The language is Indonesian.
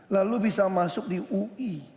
lalu bisa masuk di ui